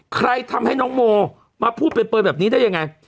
ใครทำให้น้องโมมาพูดเป็นเปิดแบบนี้ได้ยังไง